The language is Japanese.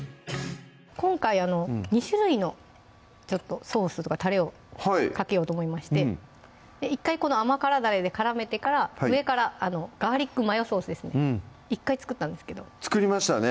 今回２種類のソースというかたれをかけようと思いまして１回この甘辛だれで絡めてから上からガーリックマヨソースですね１回作ったんですけど作りましたね